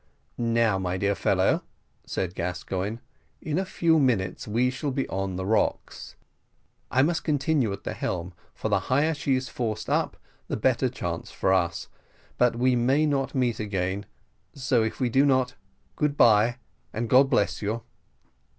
"Now, my dear fellow," said Gascoigne, "in a few minutes we shall be on the rocks. I must continue at the helm, for the higher she is forced up the better chance for us; but we may not meet again, so if we do not, good bye, and God bless you."